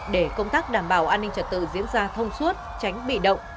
để công tác đảm bảo an ninh trật tự diễn ra thông suốt tránh bị động